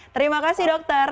terima kasih dokter